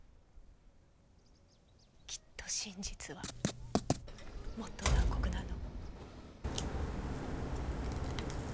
きっと真実はもっと残酷なの。